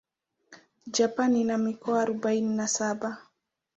Japan ina mikoa arubaini na saba.